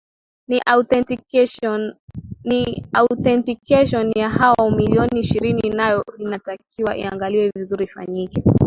ni authentication ya hao milioni ishirini nayo inatakiwa iangaliwe vizuri ifanyike